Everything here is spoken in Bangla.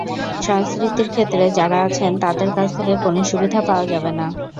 সংস্কৃতির ক্ষেত্রে যারা আছেন, তাদের কাছ থেকে কোনো সুবিধা পাওয়া যাবে না।